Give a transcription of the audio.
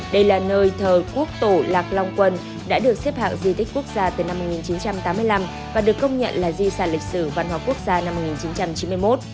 đây là nơi thờ quốc tổ lạc long quân đã được xếp hạng di tích quốc gia từ năm một nghìn chín trăm tám mươi năm và được công nhận là di sản lịch sử văn hóa quốc gia năm một nghìn chín trăm chín mươi một